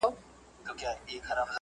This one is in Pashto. که هر څومره مې وهلي دي زورونه